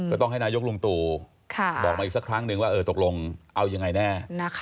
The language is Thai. ก็ต้องให้นายกลุงตู่บอกมาอีกสักครั้งนึงว่าตกลงเอายังไงแน่